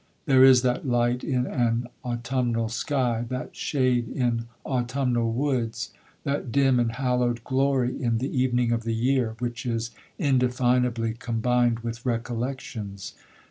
There is that light in an autumnal sky,—that shade in autumnal woods,—that dim and hallowed glory in the evening of the year, which is indefinably combined with recollections.